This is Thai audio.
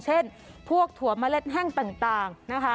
เช่นพวกถั่วมะเล็ดแห้งต่าง